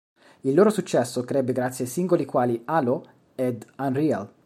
Il loro successo crebbe grazie a singoli quali "Halo" ed "Unreal".